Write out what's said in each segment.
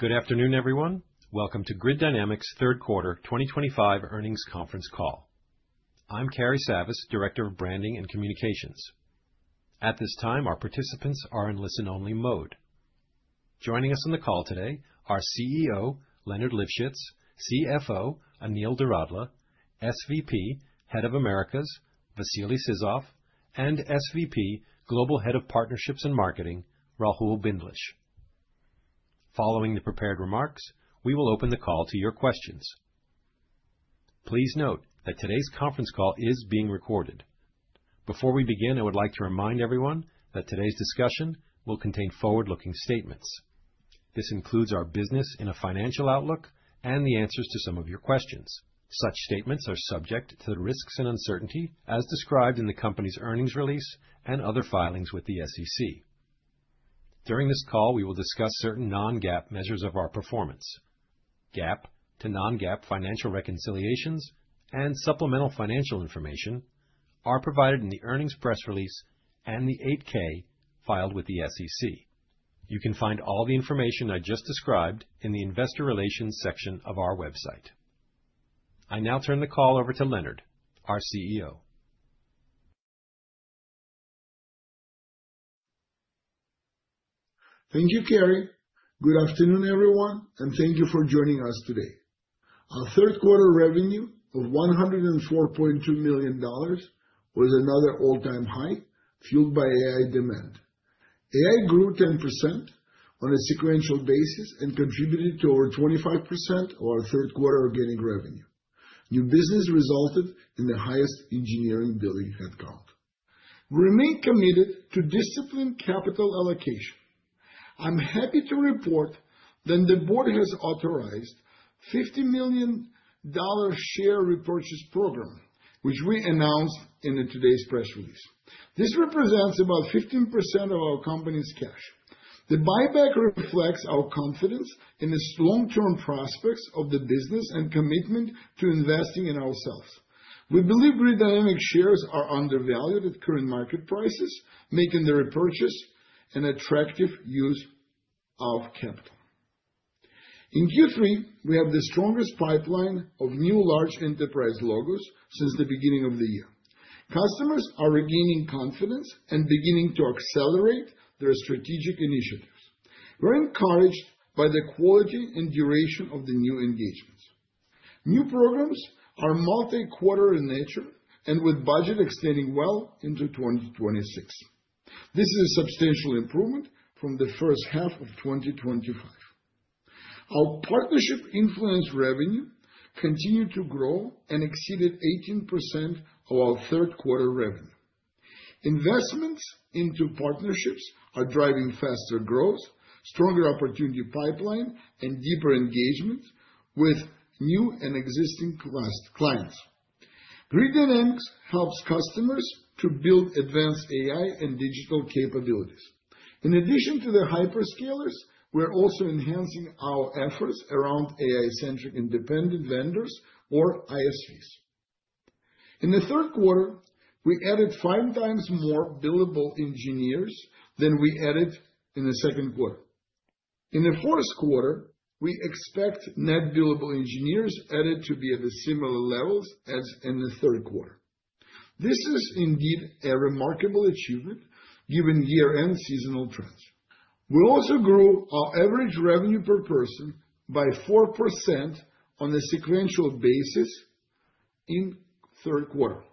Good afternoon, everyone. Welcome to Grid Dynamics Third Quarter 2025 earnings conference call. I'm Cary Savas, Director of Branding and Communications. At this time, our participants are in listen-only mode. Joining us on the call today are CEO Leonard Livschitz, CFO Anil Doradla, SVP Head of Americas Vasily Sizov, and SVP Global Head of Partnerships and Marketing Rahul Bindlish. Following the prepared remarks, we will open the call to your questions. Please note that today's conference call is being recorded. Before we begin, I would like to remind everyone that today's discussion will contain forward-looking statements. This includes our business and financial outlook and the answers to some of your questions. Such statements are subject to the risks and uncertainties as described in the company's earnings release and other filings with the SEC. During this call, we will discuss certain non-GAAP measures of our performance. GAAP to non-GAAP financial reconciliations and supplemental financial information are provided in the earnings press release and the 8-K filed with the SEC. You can find all the information I just described in the investor relations section of our website. I now turn the call over to Leonard, our CEO. Thank you, Cary. Good afternoon, everyone, and thank you for joining us today. Our third quarter revenue of $104.2 million was another all-time high, fueled by AI demand. AI grew 10% on a sequential basis and contributed to over 25% of our third quarter organic revenue. New business resulted in the highest engineering billable headcount. We remain committed to disciplined capital allocation. I'm happy to report that the board has authorized a $50 million share repurchase program, which we announced in today's press release. This represents about 15% of our company's cash. The buyback reflects our confidence in the long-term prospects of the business and commitment to investing in ourselves. We believe Grid Dynamics shares are undervalued at current market prices, making the repurchase an attractive use of capital. In Q3, we have the strongest pipeline of new large enterprise logos since the beginning of the year. Customers are regaining confidence and beginning to accelerate their strategic initiatives. We're encouraged by the quality and duration of the new engagements. New programs are multi-quarter in nature and with budgets extending well into 2026. This is a substantial improvement from the first half of 2025. Our partnership-influenced revenue continued to grow and exceeded 18% of our third quarter revenue. Investments into partnerships are driving faster growth, stronger opportunity pipeline, and deeper engagement with new and existing clients. Grid Dynamics helps customers to build advanced AI and digital capabilities. In addition to the hyperscalers, we're also enhancing our efforts around AI-centric independent vendors, or ISVs. In the third quarter, we added five times more billable engineers than we added in the second quarter. In the fourth quarter, we expect net billable engineers added to be at similar levels as in the third quarter. This is indeed a remarkable achievement given year-end seasonal trends. We also grew our average revenue per person by 4% on a sequential basis in third quarter.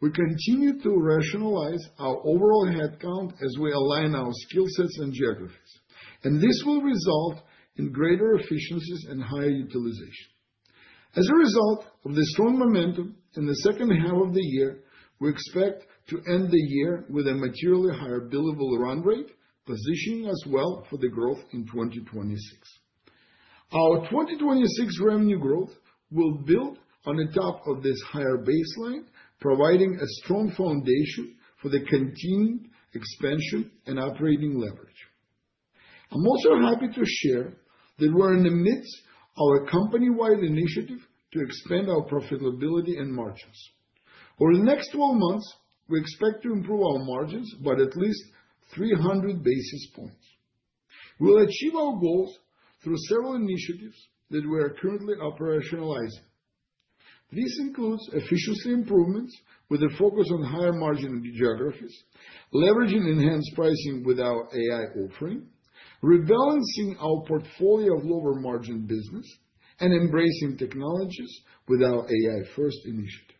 We continue to rationalize our overall headcount as we align our skill sets and geographies, and this will result in greater efficiencies and higher utilization. As a result of the strong momentum in the second half of the year, we expect to end the year with a materially higher billable run rate, positioning us well for the growth in 2026. Our 2026 revenue growth will build on top of this higher baseline, providing a strong foundation for the continued expansion and operating leverage. I'm also happy to share that we're in the midst of our company-wide initiative to expand our profitability and margins. Over the next 12 months, we expect to improve our margins by at least 300 basis points. We'll achieve our goals through several initiatives that we are currently operationalizing. This includes efficiency improvements with a focus on higher margin geographies, leveraging enhanced pricing with our AI offering, rebalancing our portfolio of lower margin business, and embracing technologies with our AI-first initiatives.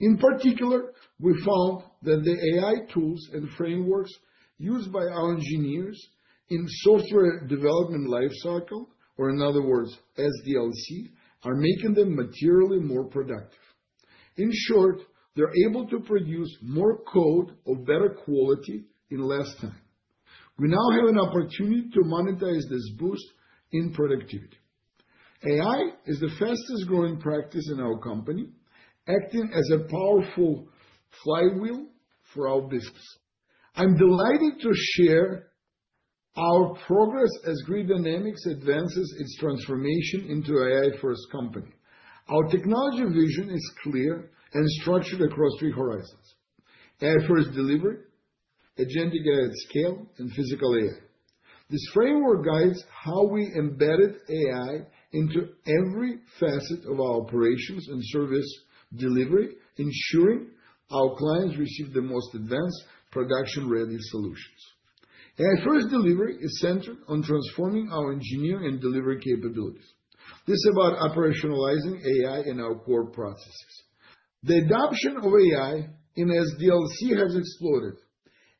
In particular, we found that the AI tools and frameworks used by our engineers in software development lifecycle, or in other words, SDLC, are making them materially more productive. In short, they're able to produce more code of better quality in less time. We now have an opportunity to monetize this boost in productivity. AI is the fastest-growing practice in our company, acting as a powerful flywheel for our business. I'm delighted to share our progress as Grid Dynamics advances its transformation into an AI-first company. Our technology vision is clear and structured across three horizons: AI-first delivery, agentic AI at scale, and physical AI. This framework guides how we embedded AI into every facet of our operations and service delivery, ensuring our clients receive the most advanced production-ready solutions. AI-first delivery is centered on transforming our engineering and delivery capabilities. This is about operationalizing AI in our core processes. The adoption of AI in SDLC has exploded,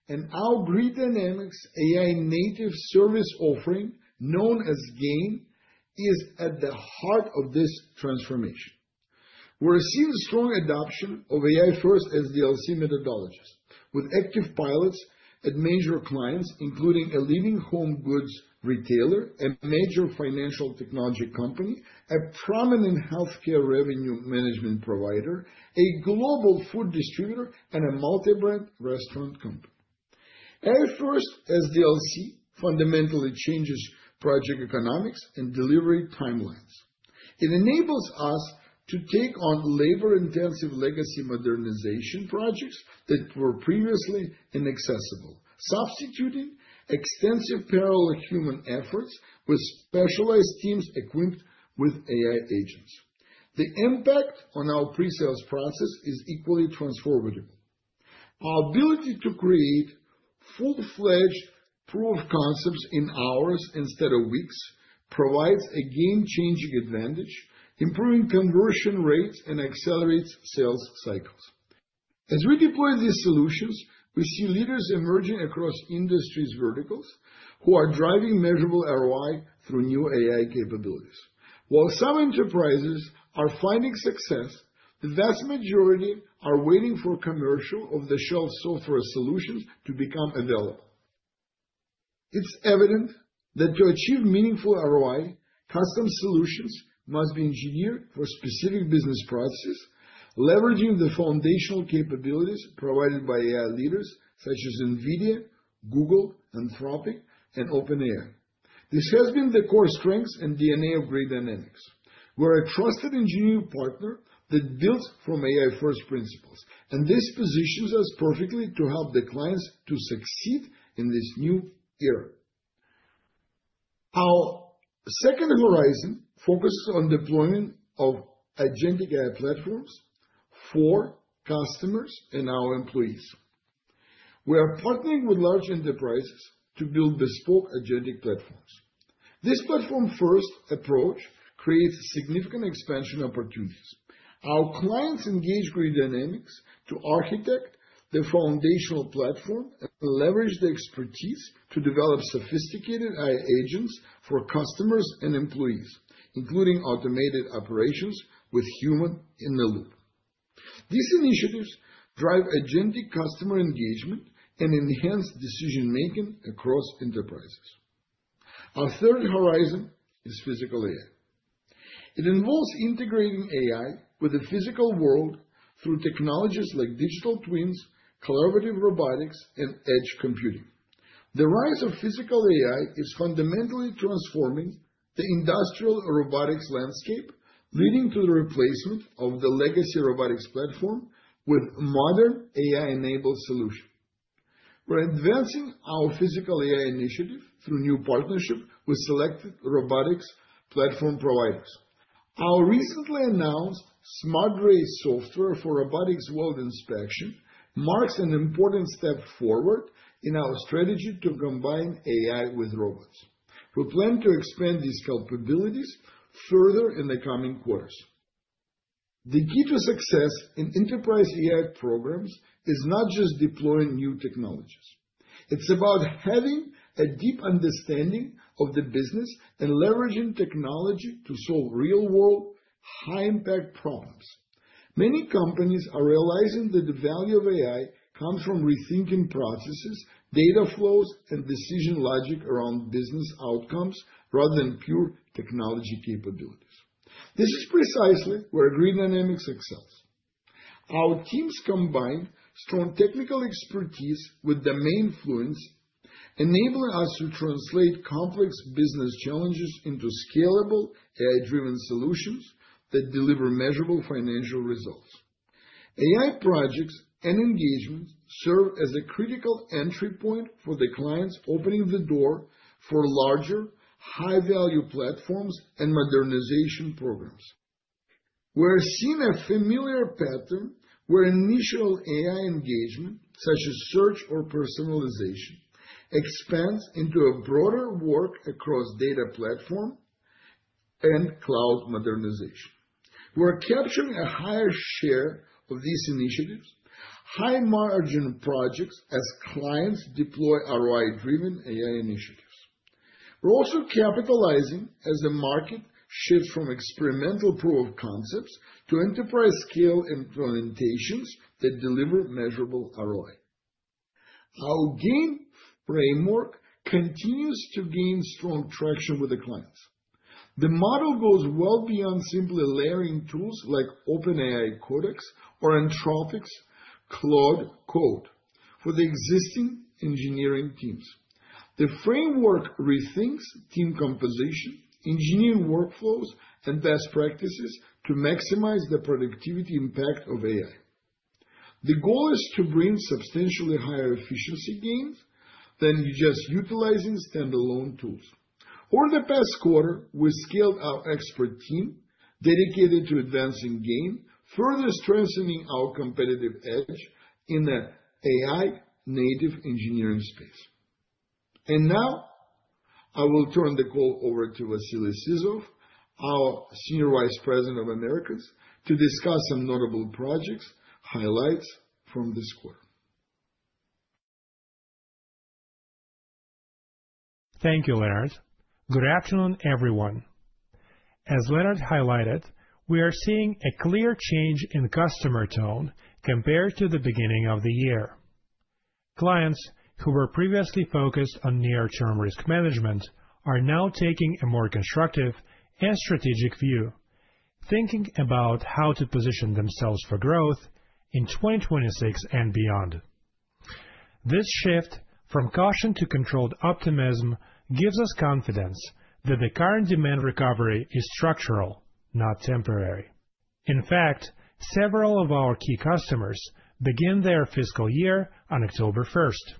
and our Grid Dynamics AI-native service offering, known as GAIN, is at the heart of this transformation. We're seeing strong adoption of AI-first SDLC methodologies, with active pilots at major clients, including a leading home goods retailer, a major financial technology company, a prominent healthcare revenue management provider, a global food distributor, and a multi-brand restaurant company. AI-first SDLC fundamentally changes project economics and delivery timelines. It enables us to take on labor-intensive legacy modernization projects that were previously inaccessible, substituting extensive parallel human efforts with specialized teams equipped with AI agents. The impact on our pre-sales process is equally transformative. Our ability to create full-fledged proof of concepts in hours instead of weeks provides a game-changing advantage, improving conversion rates and accelerates sales cycles. As we deploy these solutions, we see leaders emerging across industry verticals who are driving measurable ROI through new AI capabilities. While some enterprises are finding success, the vast majority are waiting for commercial off-the-shelf software solutions to become available. It's evident that to achieve meaningful ROI, custom solutions must be engineered for specific business processes, leveraging the foundational capabilities provided by AI leaders such as NVIDIA, Google, Anthropic, and OpenAI. This has been the core strengths and DNA of Grid Dynamics. We're a trusted engineering partner that builds from AI-first principles, and this positions us perfectly to help the clients to succeed in this new era. Our second horizon focuses on deployment of agentic AI platforms for customers and our employees. We are partnering with large enterprises to build bespoke agentic platforms. This platform-first approach creates significant expansion opportunities. Our clients engage Grid Dynamics to architect the foundational platform and leverage the expertise to develop sophisticated AI agents for customers and employees, including automated operations with human in the loop. These initiatives drive agentic customer engagement and enhance decision-making across enterprises. Our third horizon is physical AI. It involves integrating AI with the physical world through technologies like digital twins, collaborative robotics, and edge computing. The rise of physical AI is fundamentally transforming the industrial robotics landscape, leading to the replacement of the legacy robotics platform with modern AI-enabled solutions. We're advancing our physical AI initiative through new partnerships with selected robotics platform providers. Our recently announced SmartRay software for robotics weld inspection marks an important step forward in our strategy to combine AI with robots. We plan to expand these capabilities further in the coming quarters. The key to success in enterprise AI programs is not just deploying new technologies. It's about having a deep understanding of the business and leveraging technology to solve real-world, high-impact problems. Many companies are realizing that the value of AI comes from rethinking processes, data flows, and decision logic around business outcomes rather than pure technology capabilities. This is precisely where Grid Dynamics excels. Our teams combine strong technical expertise with domain fluency, enabling us to translate complex business challenges into scalable AI-driven solutions that deliver measurable financial results. AI projects and engagements serve as a critical entry point for the clients, opening the door for larger, high-value platforms and modernization programs. We're seeing a familiar pattern where initial AI engagement, such as search or personalization, expands into a broader work across data platforms and cloud modernization. We're capturing a higher share of these initiatives, high-margin projects as clients deploy ROI-driven AI initiatives. We're also capitalizing as the market shifts from experimental proof of concepts to enterprise-scale implementations that deliver measurable ROI. Our GAIN framework continues to gain strong traction with the clients. The model goes well beyond simply layering tools like OpenAI Codex or Anthropic's Claude Code for the existing engineering teams. The framework rethinks team composition, engineering workflows, and best practices to maximize the productivity impact of AI. The goal is to bring substantially higher efficiency gains than just utilizing standalone tools. Over the past quarter, we scaled our expert team dedicated to advancing GAIN, further strengthening our competitive edge in the AI-native engineering space. And now, I will turn the call over to Vasily Sizov, our Senior Vice President of Americas, to discuss some notable project highlights from this quarter. Thank you, Leonard. Good afternoon, everyone. As Leonard highlighted, we are seeing a clear change in customer tone compared to the beginning of the year. Clients who were previously focused on near-term risk management are now taking a more constructive and strategic view, thinking about how to position themselves for growth in 2026 and beyond. This shift from caution to controlled optimism gives us confidence that the current demand recovery is structural, not temporary. In fact, several of our key customers begin their fiscal year on October 1st.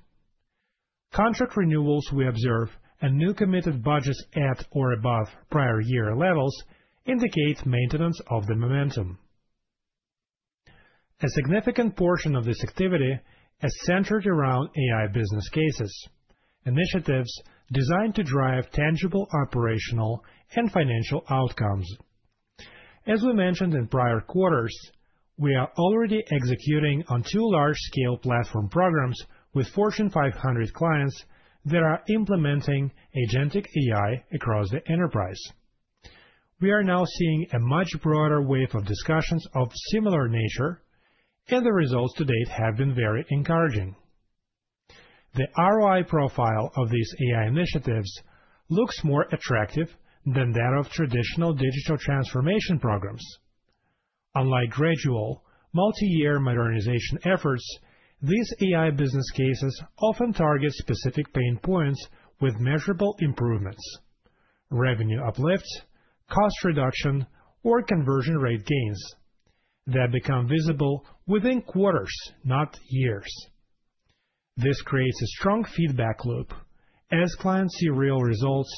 Contract renewals we observe and new committed budgets at or above prior year levels indicate maintenance of the momentum. A significant portion of this activity is centered around AI business cases, initiatives designed to drive tangible operational and financial outcomes. As we mentioned in prior quarters, we are already executing on two large-scale platform programs with Fortune 500 clients that are implementing agentic AI across the enterprise. We are now seeing a much broader wave of discussions of similar nature, and the results to date have been very encouraging. The ROI profile of these AI initiatives looks more attractive than that of traditional digital transformation programs. Unlike gradual, multi-year modernization efforts, these AI business cases often target specific pain points with measurable improvements: revenue uplifts, cost reduction, or conversion rate gains that become visible within quarters, not years. This creates a strong feedback loop. As clients see real results,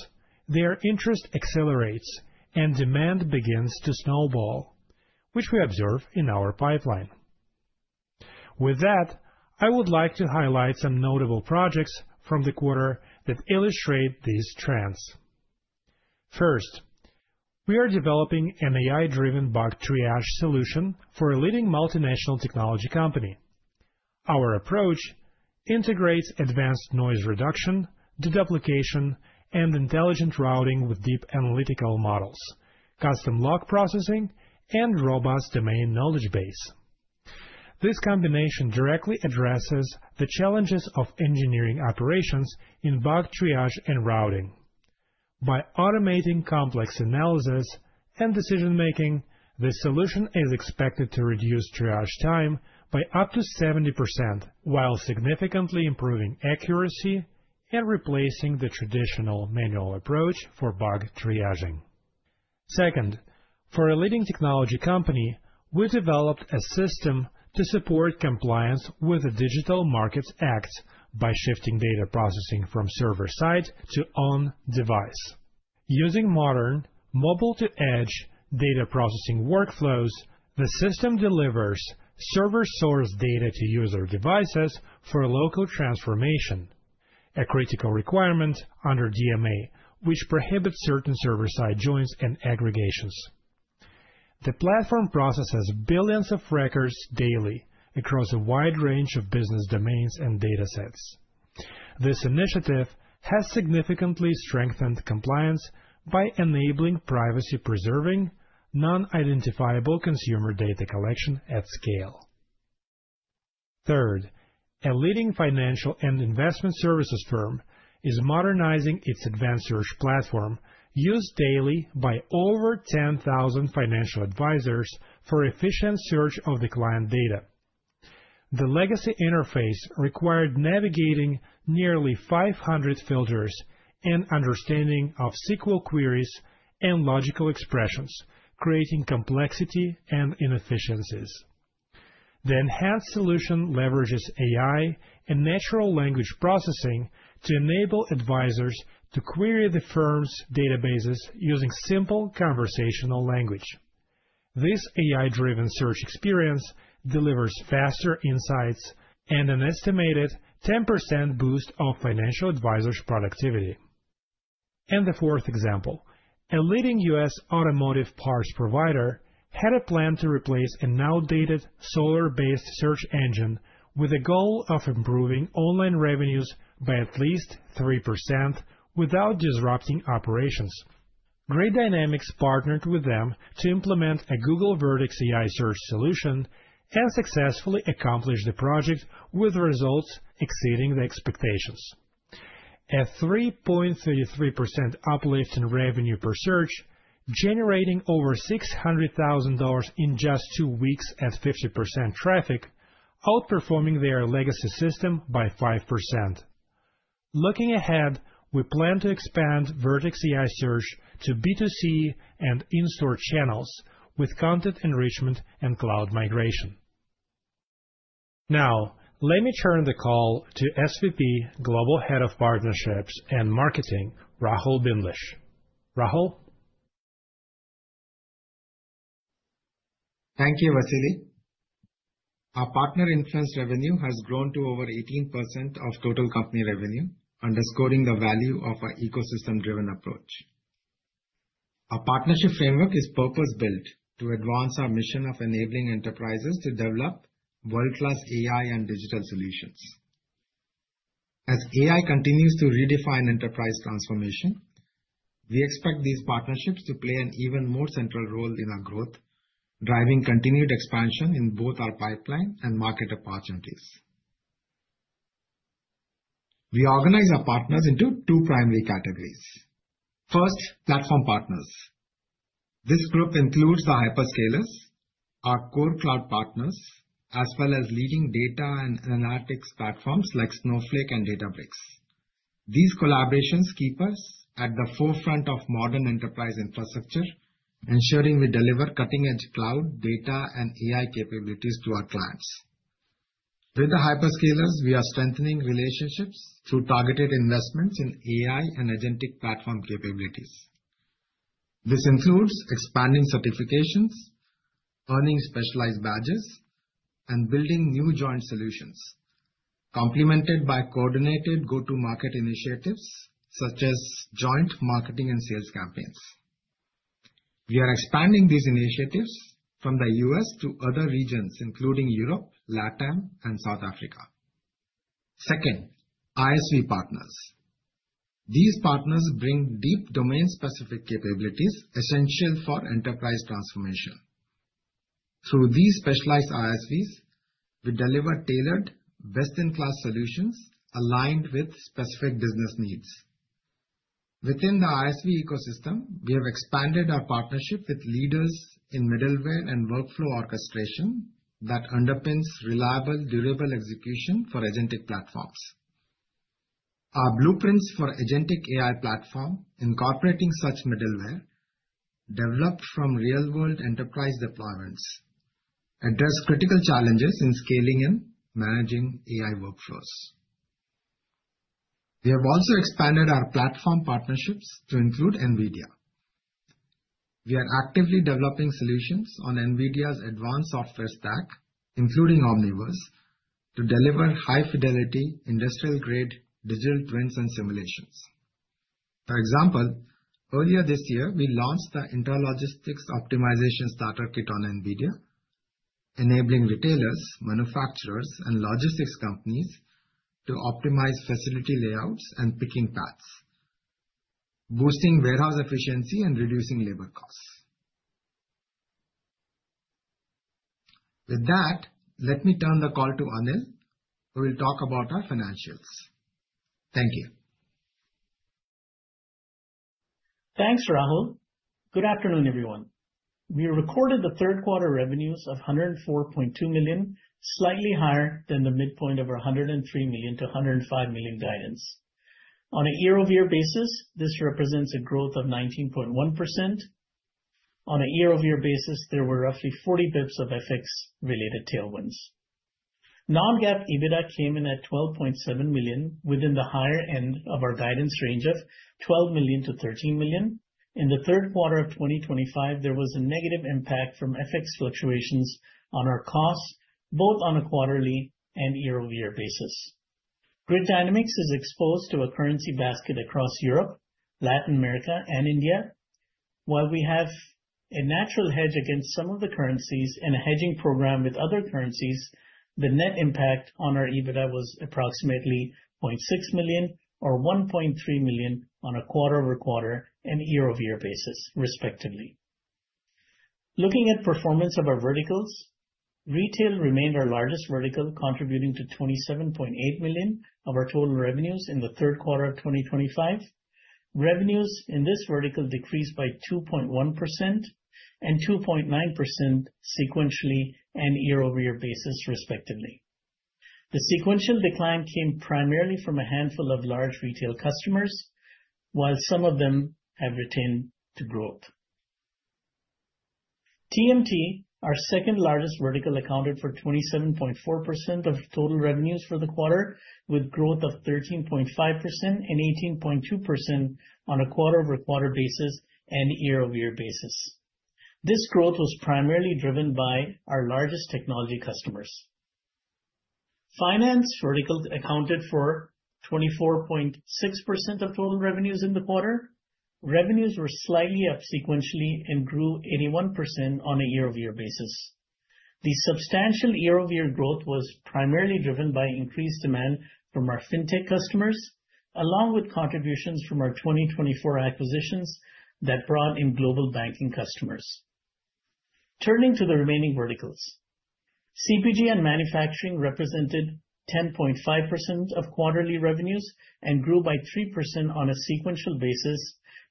their interest accelerates and demand begins to snowball, which we observe in our pipeline. With that, I would like to highlight some notable projects from the quarter that illustrate these trends. First, we are developing an AI-driven bug triage solution for a leading multinational technology company. Our approach integrates advanced noise reduction, deduplication, and intelligent routing with deep analytical models, custom log processing, and robust domain knowledge base. This combination directly addresses the challenges of engineering operations in bug triage and routing. By automating complex analysis and decision-making, the solution is expected to reduce triage time by up to 70% while significantly improving accuracy and replacing the traditional manual approach for bug triaging. Second, for a leading technology company, we developed a system to support compliance with the Digital Markets Act by shifting data processing from server-side to on-device. Using modern mobile-to-edge data processing workflows, the system delivers server-source data to user devices for local transformation, a critical requirement under DMA, which prohibits certain server-side joins and aggregations. The platform processes billions of records daily across a wide range of business domains and data sets. This initiative has significantly strengthened compliance by enabling privacy-preserving, non-identifiable consumer data collection at scale. Third, a leading financial and investment services firm is modernizing its Advanced Search platform used daily by over 10,000 financial advisors for efficient search of the client data. The legacy interface required navigating nearly 500 filters and understanding of SQL queries and logical expressions, creating complexity and inefficiencies. The enhanced solution leverages AI and natural language processing to enable advisors to query the firm's databases using simple conversational language. This AI-driven search experience delivers faster insights and an estimated 10% boost of financial advisors' productivity. And the fourth example, a leading U.S. automotive parts provider, had a plan to replace an outdated Solr-based search engine with a goal of improving online revenues by at least 3% without disrupting operations. Grid Dynamics partnered with them to implement a Google Vertex AI Search solution and successfully accomplished the project with results exceeding expectations. A 3.33% uplift in revenue per search, generating over $600,000 in just two weeks at 50% traffic, outperforming their legacy system by 5%. Looking ahead, we plan to expand Vertex AI Search to B2C and in-store channels with content enrichment and cloud migration. Now, let me turn the call to SVP Global Head of Partnerships and Marketing, Rahul Bindlish. Rahul? Thank you, Vasily. Our partner-influenced revenue has grown to over 18% of total company revenue, underscoring the value of our ecosystem-driven approach. Our partnership framework is purpose-built to advance our mission of enabling enterprises to develop world-class AI and digital solutions. As AI continues to redefine enterprise transformation, we expect these partnerships to play an even more central role in our growth, driving continued expansion in both our pipeline and market opportunities. We organize our partners into two primary categories. First, platform partners. This group includes the hyperscalers, our core cloud partners, as well as leading data and analytics platforms like Snowflake and Databricks. These collaborations keep us at the forefront of modern enterprise infrastructure, ensuring we deliver cutting-edge cloud data and AI capabilities to our clients. With the hyperscalers, we are strengthening relationships through targeted investments in AI and agentic platform capabilities. This includes expanding certifications, earning specialized badges, and building new joint solutions, complemented by coordinated go-to-market initiatives such as joint marketing and sales campaigns. We are expanding these initiatives from the U.S. to other regions, including Europe, LATAM, and South Africa. Second, ISV partners. These partners bring deep domain-specific capabilities essential for enterprise transformation. Through these specialized ISVs, we deliver tailored, best-in-class solutions aligned with specific business needs. Within the ISV ecosystem, we have expanded our partnership with leaders in middleware and workflow orchestration that underpins reliable, durable execution for agentic platforms. Our blueprints for agentic AI platforms, incorporating such middleware, developed from real-world enterprise deployments, address critical challenges in scaling and managing AI workflows. We have also expanded our platform partnerships to include NVIDIA. We are actively developing solutions on NVIDIA's advanced software stack, including Omniverse, to deliver high-fidelity, industrial-grade digital twins and simulations. For example, earlier this year, we launched the Intralogistics Optimization Starter Kit on NVIDIA, enabling retailers, manufacturers, and logistics companies to optimize facility layouts and picking paths, boosting warehouse efficiency and reducing labor costs. With that, let me turn the call to Anil, who will talk about our financials. Thank you. Thanks, Rahul. Good afternoon, everyone. We recorded the third quarter revenues of $104.2 million, slightly higher than the midpoint of our $103 million-$105 million guidance. On a year-over-year basis, this represents a growth of 19.1%. On a year-over-year basis, there were roughly 40 basis points of FX-related tailwinds. Non-GAAP EBITDA came in at $12.7 million within the higher end of our guidance range of $12 million-$13 million. In the third quarter of 2025, there was a negative impact from FX fluctuations on our costs, both on a quarterly and year-over-year basis. Grid Dynamics is exposed to a currency basket across Europe, Latin America, and India. While we have a natural hedge against some of the currencies and a hedging program with other currencies, the net impact on our EBITDA was approximately $0.6 million or $1.3 million on a quarter-over-quarter and year-over-year basis, respectively. Looking at performance of our verticals, retail remained our largest vertical, contributing to $27.8 million of our total revenues in the third quarter of 2025. Revenues in this vertical decreased by 2.1% and 2.9% sequentially and year-over-year basis, respectively. The sequential decline came primarily from a handful of large retail customers, while some of them have returned to growth. TMT, our second-largest vertical, accounted for 27.4% of total revenues for the quarter, with growth of 13.5% and 18.2% on a quarter-over-quarter basis and year-over-year basis. This growth was primarily driven by our largest technology customers. Finance vertical accounted for 24.6% of total revenues in the quarter. Revenues were slightly up sequentially and grew 81% on a year-over-year basis. The substantial year-over-year growth was primarily driven by increased demand from our fintech customers, along with contributions from our 2024 acquisitions that brought in global banking customers. Turning to the remaining verticals, CPG and manufacturing represented 10.5% of quarterly revenues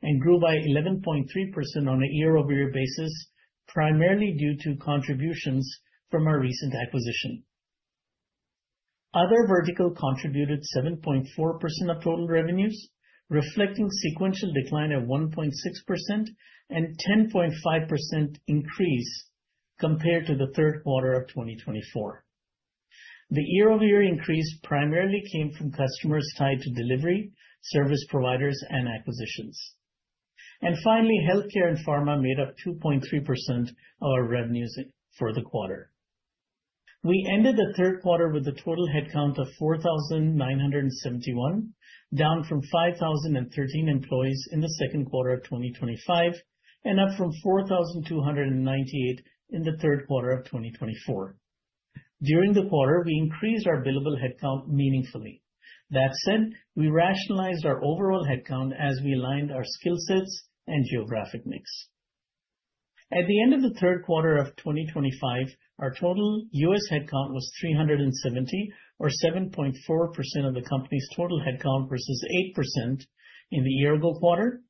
and grew by 3% on a sequential basis and grew by 11.3% on a year-over-year basis, primarily due to contributions from our recent acquisition. Other verticals contributed 7.4% of total revenues, reflecting sequential decline of 1.6% and 10.5% increase compared to the third quarter of 2024. The year-over-year increase primarily came from customers tied to delivery, service providers, and acquisitions, and finally, healthcare and pharma made up 2.3% of our revenues for the quarter. We ended the third quarter with a total headcount of 4,971, down from 5,013 employees in the second quarter of 2025 and up from 4,298 in the third quarter of 2024. During the quarter, we increased our billable headcount meaningfully. That said, we rationalized our overall headcount as we aligned our skill sets and geographic mix. At the end of the third quarter of 2025, our total U.S. headcount was 370, or 7.4% of the company's total headcount versus 8% in the year-ago quarter.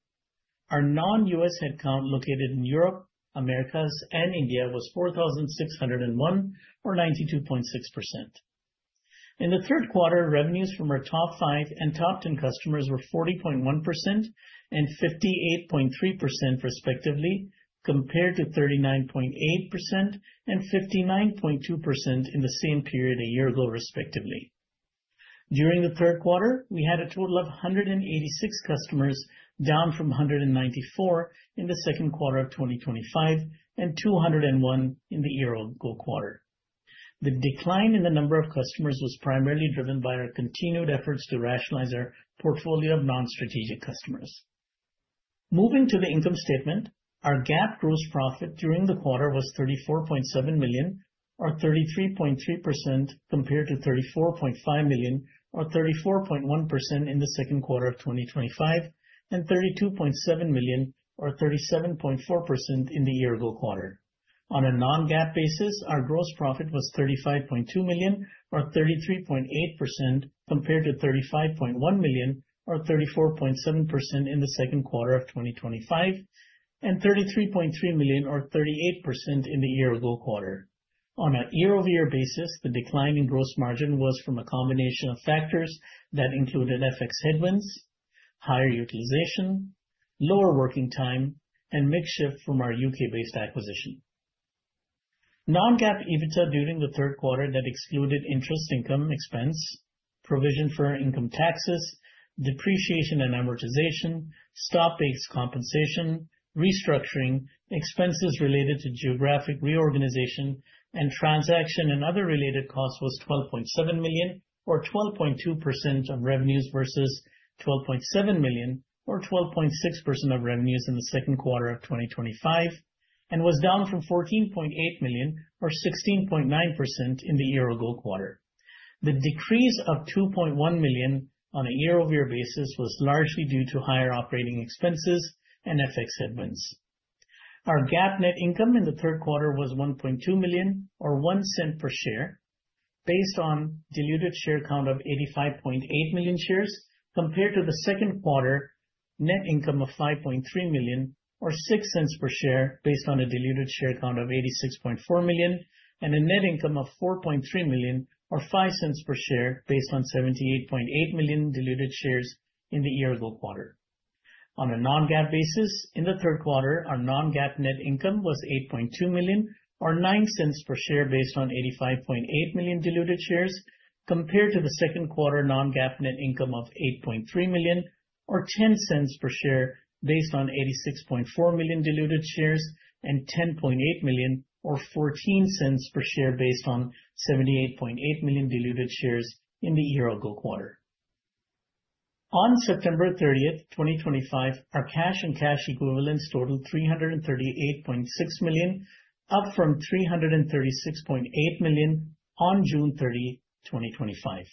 Our non-U.S. headcount located in Europe, Americas, and India was 4,601, or 92.6%. In the third quarter, revenues from our top five and top ten customers were 40.1% and 58.3%, respectively, compared to 39.8% and 59.2% in the same period a year ago, respectively. During the third quarter, we had a total of 186 customers, down from 194 in the second quarter of 2025 and 201 in the year-ago quarter. The decline in the number of customers was primarily driven by our continued efforts to rationalize our portfolio of non-strategic customers. Moving to the income statement, our GAAP gross profit during the quarter was 34.7 million, or 33.3%, compared to 34.5 million, or 34.1% in the second quarter of 2025, and 32.7 million, or 37.4%, in the year-ago quarter. On a non-GAAP basis, our gross profit was 35.2 million, or 33.8%, compared to 35.1 million, or 34.7%, in the second quarter of 2025, and 33.3 million, or 38%, in the year-ago quarter. On a year-over-year basis, the decline in gross margin was from a combination of factors that included FX headwinds, higher utilization, lower working time, and mixed shift from our U.K.-based acquisition. Non-GAAP EBITDA during the third quarter excluded interest income expense, provision for income taxes, depreciation and amortization, stock-based compensation, restructuring, expenses related to geographic reorganization, and transaction and other related costs was $12.7 million, or 12.2% of revenues versus $12.7 million, or 12.6% of revenues in the second quarter of 2025, and was down from $14.8 million, or 16.9%, in the year-ago quarter. The decrease of $2.1 million on a year-over-year basis was largely due to higher operating expenses and FX headwinds. Our GAAP net income in the third quarter was $1.2 million, or $0.01 per share, based on a diluted share count of 85.8 million shares, compared to the second quarter net income of $5.3 million, or $0.06 per share, based on a diluted share count of 86.4 million shares, and a net income of $4.3 million, or $0.05 per share, based on 78.8 million diluted shares in the year-ago quarter. On a non-GAAP basis, in the third quarter, our non-GAAP net income was $8.2 million, or $0.09 per share, based on 85.8 million diluted shares, compared to the second quarter non-GAAP net income of $8.3 million, or $0.10 per share, based on 86.4 million diluted shares, and $10.8 million, or $0.14 per share, based on 78.8 million diluted shares in the year-ago quarter. On September 30, 2025, our cash and cash equivalents totaled $338.6 million, up from $336.8 million on June 30, 2025.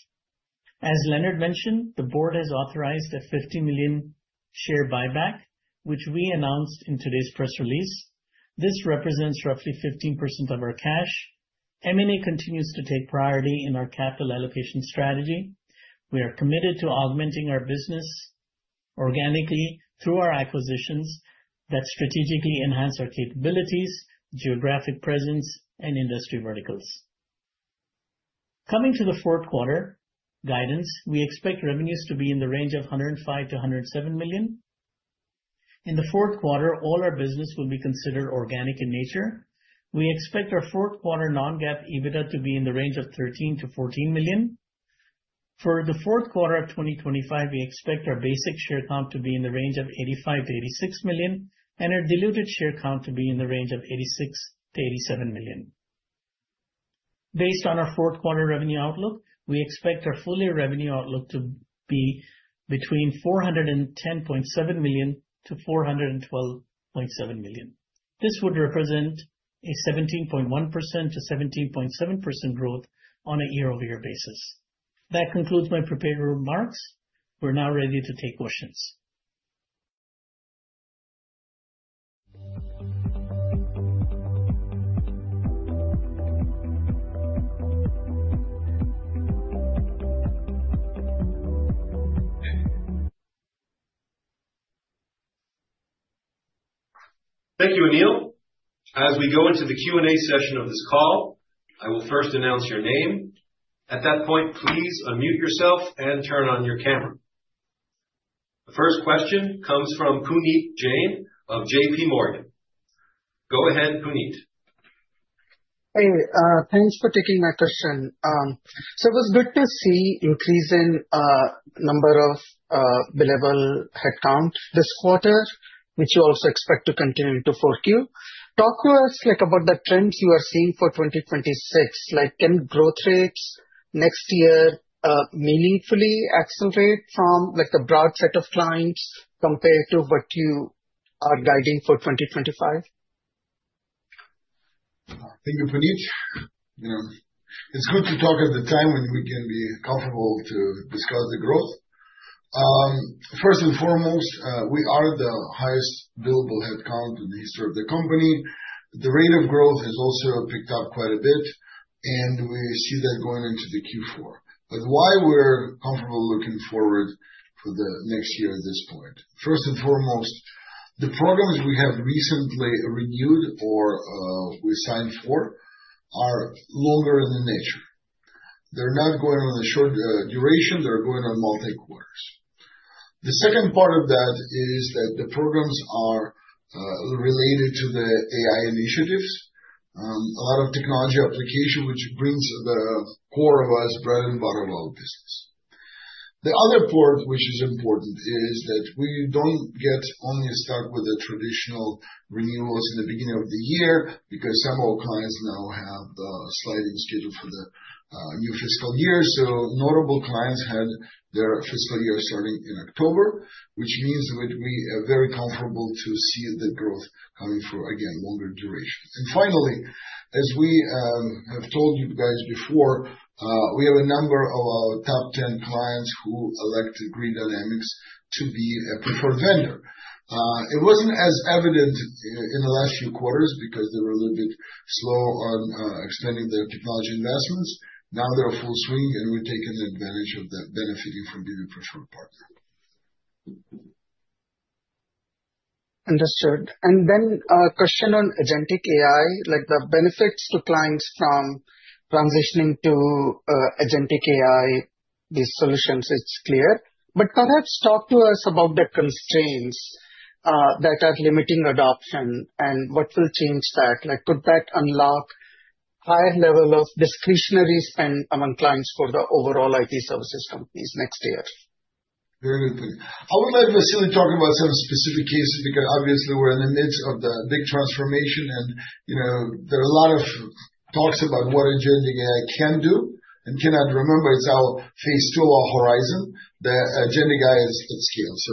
As Leonard mentioned, the board has authorized a $50 million share buyback, which we announced in today's press release. This represents roughly 15% of our cash. M&A continues to take priority in our capital allocation strategy. We are committed to augmenting our business organically through our acquisitions that strategically enhance our capabilities, geographic presence, and industry verticals. Coming to the fourth quarter guidance, we expect revenues to be in the range of $105-$107 million. In the fourth quarter, all our business will be considered organic in nature. We expect our fourth quarter non-GAAP EBITDA to be in the range of $13-$14 million. For the fourth quarter of 2025, we expect our basic share count to be in the range of 85-86 million, and our diluted share count to be in the range of 86-87 million. Based on our fourth quarter revenue outlook, we expect our full-year revenue outlook to be between $410.7 million-$412.7 million. This would represent a 17.1%-17.7% growth on a year-over-year basis. That concludes my prepared remarks. We're now ready to take questions. Thank you, Anil. As we go into the Q&A session of this call, I will first announce your name. At that point, please unmute yourself and turn on your camera. The first question comes from Puneet Jain of JPMorgan. Go ahead, Puneet. Thanks for taking my question. It was good to see an increase in the number of billable headcount this quarter, which you also expect to continue to forecast. Talk to us about the trends you are seeing for 2026. Can growth rates next year meaningfully accelerate from the broad set of clients compared to what you are guiding for 2025? Thank you, Puneet. It's good to talk at the time when we can be comfortable to discuss the growth. First and foremost, we're at the highest billable headcount in the history of the company. The rate of growth has also picked up quite a bit, and we see that going into Q4. But why we're comfortable looking forward for the next year at this point? First and foremost, the programs we have recently renewed or we signed for are longer in nature. They're not going on a short duration. They're going on multi-quarters. The second part of that is that the programs are related to the AI initiatives, a lot of technology application, which brings the core of our bread and butter of our business. The other part, which is important, is that we don't get only stuck with the traditional renewals in the beginning of the year because some of our clients now have a sliding schedule for the new fiscal year, so notable clients had their fiscal year starting in October, which means that we are very comfortable to see the growth coming for, again, longer duration, and finally, as we have told you guys before, we have a number of our top 10 clients who elected Grid Dynamics to be a preferred vendor. It wasn't as evident in the last few quarters because they were a little bit slow on extending their technology investments. Now they're full swing, and we're taking advantage of that, benefiting from being a preferred partner. Understood. And then a question on agentic AI, like the benefits to clients from transitioning to agentic AI, these solutions, it's clear. But perhaps talk to us about the constraints that are limiting adoption and what will change that. Could that unlock a higher level of discretionary spend among clients for the overall IT services companies next year? Very good. I would like to see you talk about some specific cases because obviously we're in the midst of the big transformation, and there are a lot of talks about what agentic AI can do. And I remember it's our phase two of our Horizon. The agentic AI is at scale. So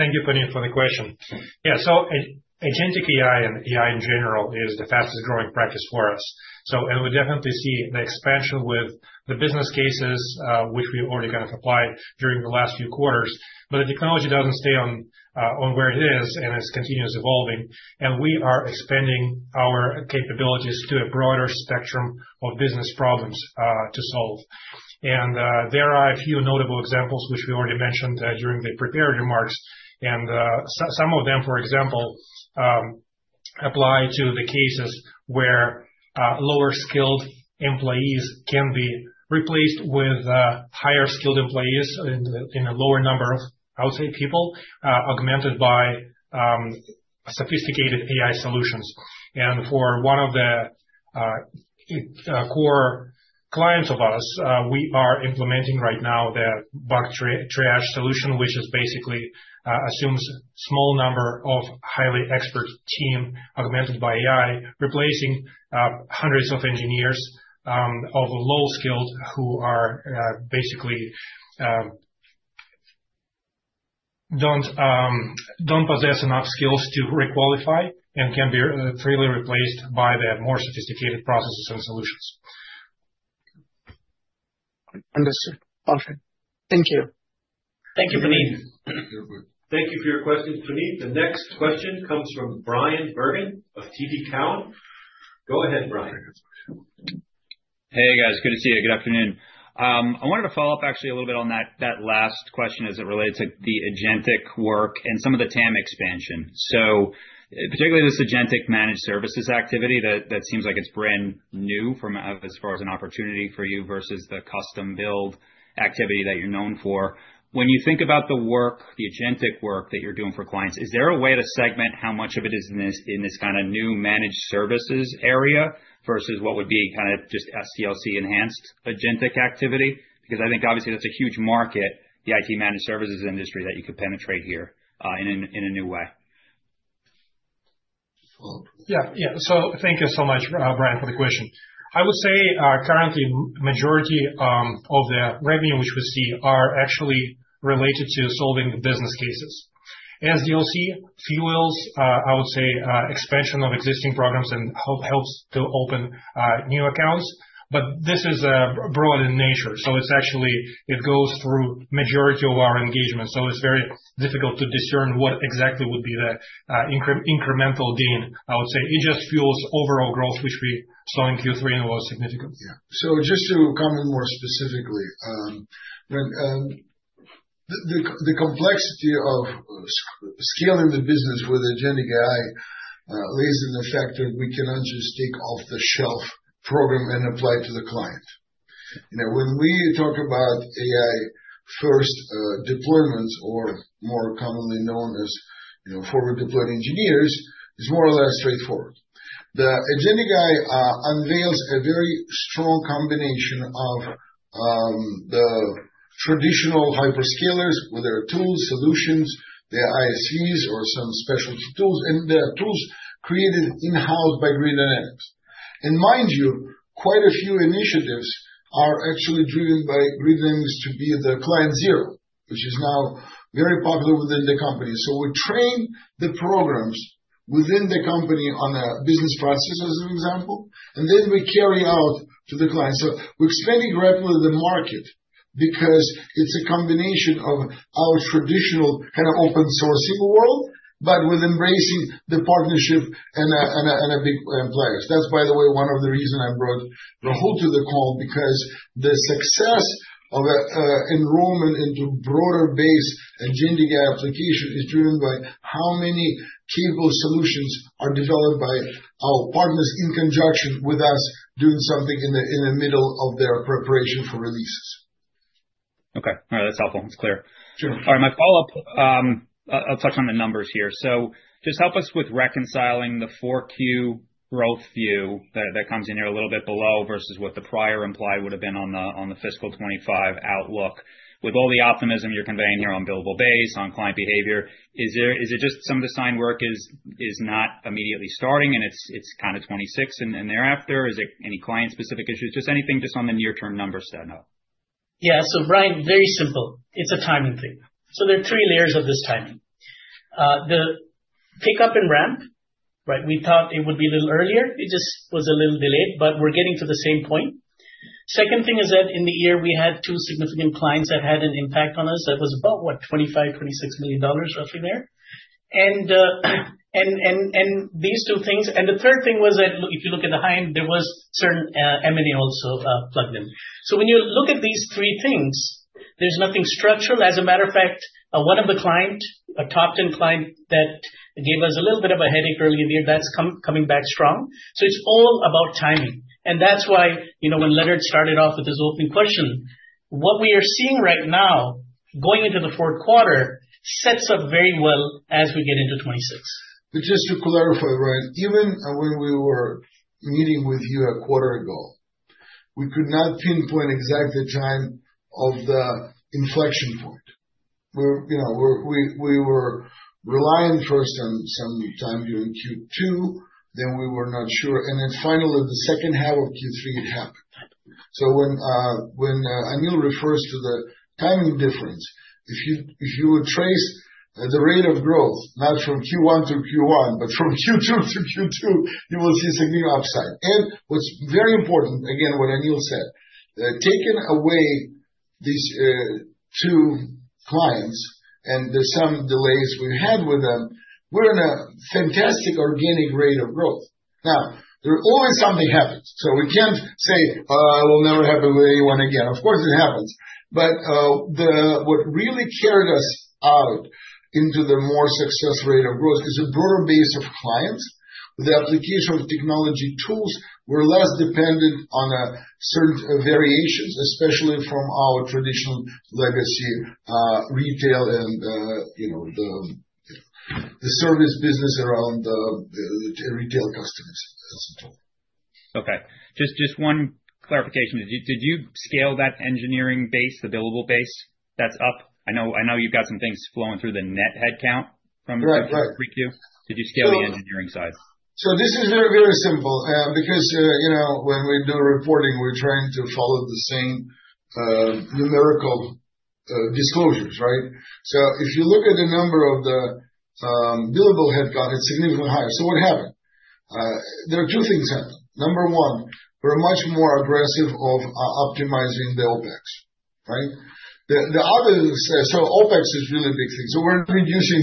thank you, Puneet, for the question. Yeah, so agentic AI and AI in general is the fastest growing practice for us. So we definitely see the expansion with the business cases, which we already kind of applied during the last few quarters. But the technology doesn't stay on where it is, and it's continuously evolving. And we are expanding our capabilities to a broader spectrum of business problems to solve. And there are a few notable examples, which we already mentioned during the prepared remarks. And some of them, for example, apply to the cases where lower skilled employees can be replaced with higher skilled employees in a lower number of, I would say, people, augmented by sophisticated AI solutions. And for one of the core clients of us, we are implementing right now the bug triage solution, which basically assumes a small number of highly expert team augmented by AI, replacing hundreds of engineers of low skilled who basically don't possess enough skills to requalify and can be freely replaced by the more sophisticated processes and solutions. Understood. Perfect. Thank you. Thank you, Puneet. Thank you for your questions, Puneet. The next question comes from Bryan Bergin of TD Cowen. Go ahead, Bryan. Hey, guys. Good to see you. Good afternoon. I wanted to follow up, actually, a little bit on that last question as it relates to the agentic work and some of the TAM expansion. So particularly this agentic managed services activity that seems like it's brand new as far as an opportunity for you versus the custom-build activity that you're known for. When you think about the work, the agentic work that you're doing for clients, is there a way to segment how much of it is in this kind of new managed services area versus what would be kind of just SDLC-enhanced agentic activity? Because I think, obviously, that's a huge market, the IT managed services industry, that you could penetrate here in a new way. Yeah. Yeah. So thank you so much, Bryan, for the question. I would say currently the majority of the revenue which we see are actually related to solving the business cases. SDLC fuels, I would say, expansion of existing programs and helps to open new accounts. But this is broad in nature. So it's actually it goes through the majority of our engagement. So it's very difficult to discern what exactly would be the incremental gain, I would say. It just fuels overall growth, which we saw in Q3 and was significant. Yeah, so just to comment more specifically, the complexity of scaling the business with agentic AI lies in the fact that we cannot just take off-the-shelf program and apply it to the client. When we talk about AI-first deployments, or more commonly known as forward-deployed engineers, it's more or less straightforward. The agentic AI unveils a very strong combination of the traditional hyperscalers with their tools, solutions, their ISVs, or some specialty tools, and their tools created in-house by Grid Dynamics, and mind you, quite a few initiatives are actually driven by Grid Dynamics to be the client zero, which is now very popular within the company, so we train the programs within the company on a business process, as an example, and then we carry out to the client. So we're expanding rapidly the market because it's a combination of our traditional kind of open-sourcing world, but with embracing the partnership and the big players. That's, by the way, one of the reasons I brought Rahul to the call because the success of enrollment into broader-based agentic application is driven by how many capable solutions are developed by our partners in conjunction with us doing something in the middle of their preparation for releases. Okay. All right. That's helpful. It's clear. All right. My follow-up, I'll touch on the numbers here. So just help us with reconciling the Q4 growth view that comes in here a little bit below versus what the prior implied would have been on the fiscal 2025 outlook. With all the optimism you're conveying here on billable base, on client behavior, is it just some of the signed work is not immediately starting, and it's kind of 2026 and thereafter? Is it any client-specific issues? Just anything just on the near-term numbers to know. Yeah. So Bryan, very simple. It's a timing thing. So there are three layers of this timing. The pickup and ramp, right, we thought it would be a little earlier. It just was a little delayed, but we're getting to the same point. Second thing is that in the year, we had two significant clients that had an impact on us. That was about, what, $25-$26 million roughly there. And these two things. And the third thing was that if you look at the high end, there was certain M&A also plugged in. So when you look at these three things, there's nothing structural. As a matter of fact, one of the clients, a top 10 client that gave us a little bit of a headache earlier in the year, that's coming back strong. So it's all about timing. And that's why when Leonard started off with his opening question, what we are seeing right now going into the fourth quarter sets up very well as we get into 2026. Just to clarify, Bryan, even when we were meeting with you a quarter ago, we could not pinpoint exactly the time of the inflection point. We were relying first on some time during Q2. Then we were not sure. And then finally, the second half of Q3, it happened. So when Anil refers to the timing difference, if you would trace the rate of growth, not from Q1 to Q1, but from Q2 to Q2, you will see significant upside. And what's very important, again, what Anil said, taking away these two clients and some delays we had with them, we're in a fantastic organic rate of growth. Now, there's always something happens. So we can't say, "Oh, it will never happen with AI again." Of course, it happens. But what really carried us out into the more success rate of growth is a broader base of clients with the application of technology tools. We're less dependent on certain variations, especially from our traditional legacy retail and the service business around the retail customers. Okay. Just one clarification. Did you scale that engineering base, the billable base that's up? I know you've got some things flowing through the net headcount from the pre-queue. Did you scale the engineering side? So this is very, very simple. Because when we do reporting, we're trying to follow the same numerical disclosures, right? So if you look at the number of the billable headcount, it's significantly higher. So what happened? There are two things happened. Number one, we're much more aggressive of optimizing the OpEx, right? The other thing is that so OpEx is really a big thing. So we're not reducing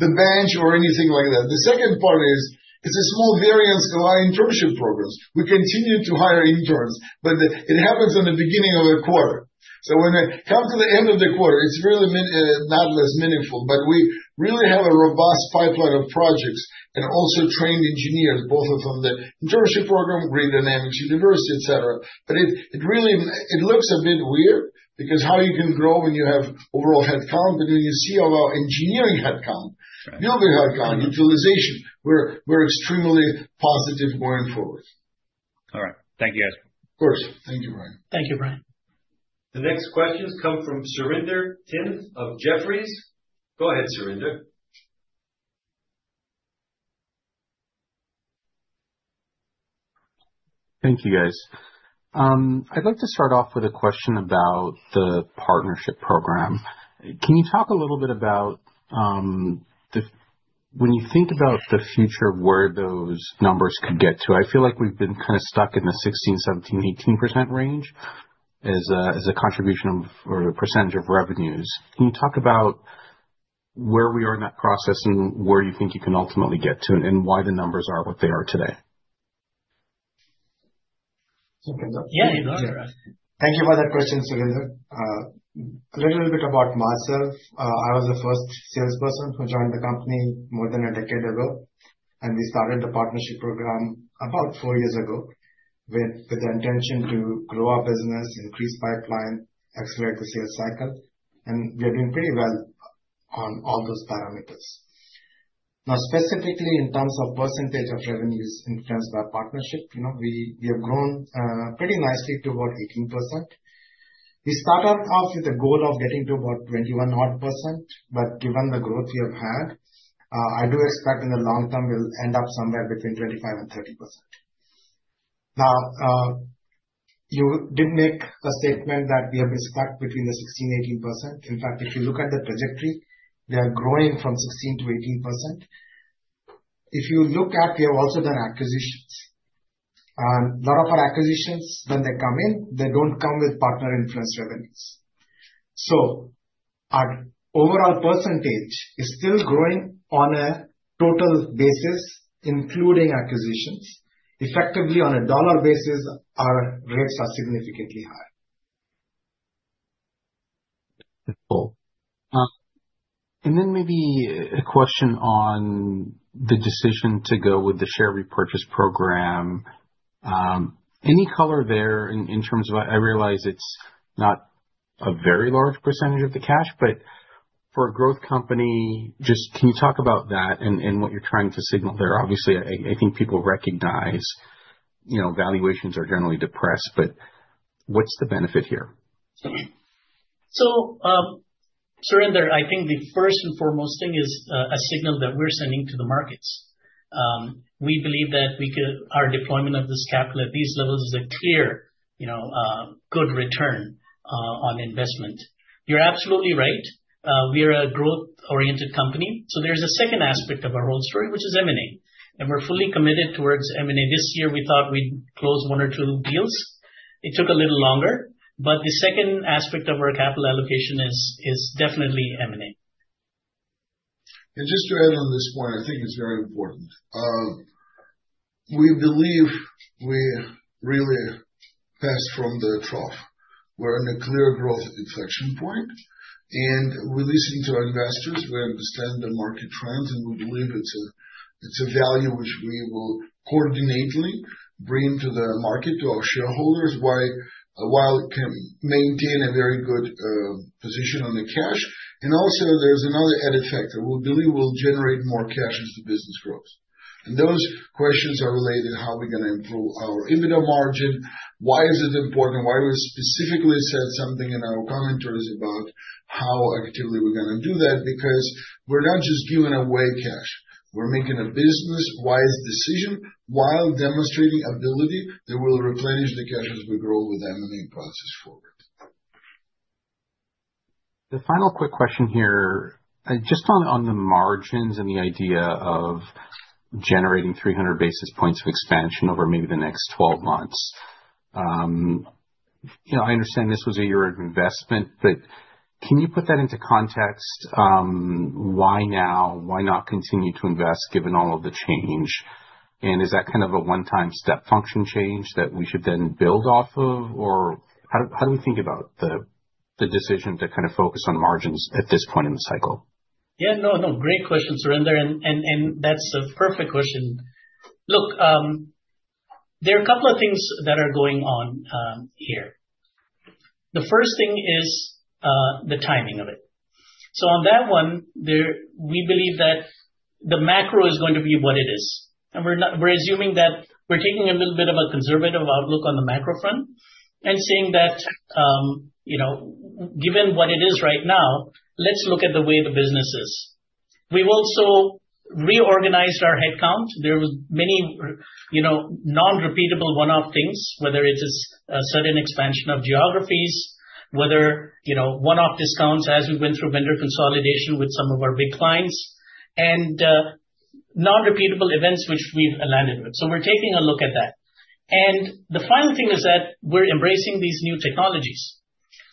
the bench or anything like that. The second part is it's a small variance in our internship programs. We continue to hire interns, but it happens in the beginning of the quarter. So when it comes to the end of the quarter, it's really not less meaningful. But we really have a robust pipeline of projects and also trained engineers, both from the internship program, Grid Dynamics University, etc. But it looks a bit weird because how you can grow when you have overall headcount, but when you see our engineering headcount, billable headcount, utilization, we're extremely positive going forward. All right. Thank you, guys. Of course. Thank you, Bryan. Thank you, Bryan. The next questions come from Surinder Thind of Jefferies. Go ahead, Surinder. Thank you, guys. I'd like to start off with a question about the partnership program. Can you talk a little bit about when you think about the future of where those numbers could get to? I feel like we've been kind of stuck in the 16%-18% range as a contribution or a percentage of revenues. Can you talk about where we are in that process and where you think you can ultimately get to and why the numbers are what they are today? Yeah, sure. Thank you for that question, Surinder. A little bit about myself. I was the first salesperson who joined the company more than a decade ago, and we started the partnership program about four years ago with the intention to grow our business, increase pipeline, accelerate the sales cycle. And we have been pretty well on all those parameters. Now, specifically in terms of percentage of revenues influenced by partnership, we have grown pretty nicely to about 18%. We started off with the goal of getting to about 21-odd%. But given the growth we have had, I do expect in the long term, we'll end up somewhere between 25% and 30%. Now, you did make a statement that we have been stuck between the 16%-18%. In fact, if you look at the trajectory, we are growing from 16% to 18%. If you look at, we have also done acquisitions. A lot of our acquisitions, when they come in, they don't come with partner-influenced revenues. So our overall percentage is still growing on a total basis, including acquisitions. Effectively, on a dollar basis, our rates are significantly higher. And then maybe a question on the decision to go with the share repurchase program. Any color there in terms of I realize it's not a very large percentage of the cash, but for a growth company, just can you talk about that and what you're trying to signal there? Obviously, I think people recognize valuations are generally depressed, but what's the benefit here? So, Surinder, I think the first and foremost thing is a signal that we're sending to the markets. We believe that our deployment of this capital at these levels is a clear good return on investment. You're absolutely right. We are a growth-oriented company. So there's a second aspect of our whole story, which is M&A. And we're fully committed towards M&A. This year, we thought we'd close one or two deals. It took a little longer. But the second aspect of our capital allocation is definitely M&A. And just to add on this point, I think it's very important. We believe we really passed from the trough. We're in a clear growth inflection point. And we're listening to our investors. We understand the market trends. We believe it's a value which we will coordinately bring to the market, to our shareholders, while it can maintain a very good position on the cash. Also, there's another added factor. We believe we'll generate more cash as the business grows. Those questions are related to how we're going to improve our EBITDA margin. Why is it important? Why we specifically said something in our commentaries about how actively we're going to do that? Because we're not just giving away cash. We're making a business-wise decision while demonstrating ability that will replenish the cash as we grow with the M&A process forward. The final quick question here, just on the margins and the idea of generating 300 basis points of expansion over maybe the next 12 months. I understand this was a year of investment, but can you put that into context? Why now? Why not continue to invest given all of the change, and is that kind of a one-time step function change that we should then build off of? Or how do we think about the decision to kind of focus on margins at this point in the cycle? Yeah. No, no. Great question, Surinder, and that's a perfect question. Look, there are a couple of things that are going on here. The first thing is the timing of it. So on that one, we believe that the macro is going to be what it is, and we're assuming that we're taking a little bit of a conservative outlook on the macro front and saying that given what it is right now, let's look at the way the business is. We've also reorganized our headcount. There were many non-repeatable one-off things, whether it is a sudden expansion of geographies, whether one-off discounts as we went through vendor consolidation with some of our big clients, and non-repeatable events which we've landed with. So we're taking a look at that. And the final thing is that we're embracing these new technologies.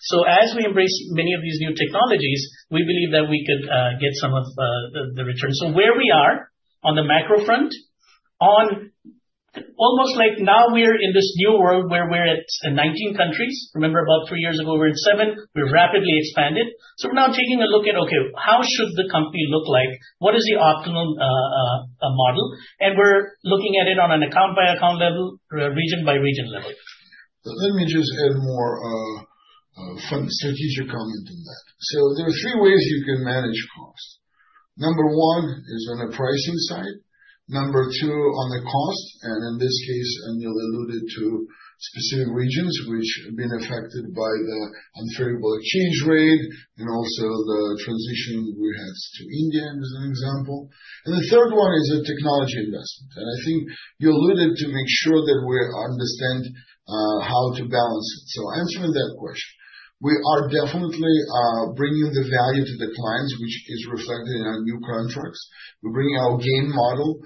So as we embrace many of these new technologies, we believe that we could get some of the return. So where we are on the macro front, almost like now we're in this new world where we're at 19 countries. Remember, about three years ago, we were at seven. We rapidly expanded. So we're now taking a look at, okay, how should the company look like? What is the optimal model? And we're looking at it on an account-by-account level, region-by-region level. Let me just add more from a strategic comment on that. There are three ways you can manage costs. Number one is on the pricing side. Number two, on the cost. In this case, Anil alluded to specific regions which have been affected by the unfair exchange rate and also the transition we had to India as an example. The third one is a technology investment. I think you alluded to make sure that we understand how to balance it. Answering that question, we are definitely bringing the value to the clients, which is reflected in our new contracts. We're bringing our GAIN model,